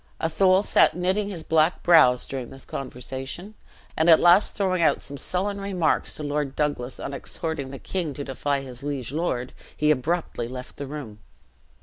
Athol sat knitting his black brows during this conversation; and at last throwing out some sullen remarks to Lord Douglas on exhorting the king to defy his liege lord, he abruptly left the room.